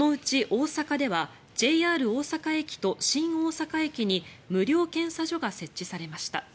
ＪＲ大阪駅と新大阪駅に無料検査所が設置されました。